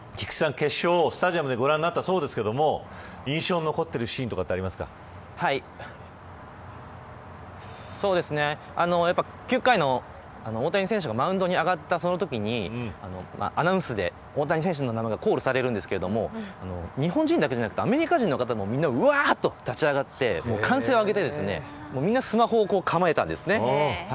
さまざまな国との交流が素晴らしいですが菊池さん、決勝をスタジアムでご覧になったそうですが印象に残っているシーンは９回の大谷選手がマウンドに上がった、そのときにアナウンスで大谷選手の名前がコールされるんですが日本人だけではなくアメリカ人の方も立ち上がって歓声を上げてみんな、スマホを構えたんです。